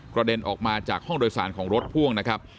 เด็นออกมาจากห้องโดยสารของรถพ่วงนะครับ